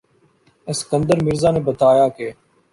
اسکندر مرزا نے بتایا کہ